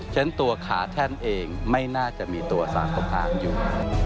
ฉะนั้นตัวขาแท่นเองไม่น่าจะมีตัวสารปกครองอยู่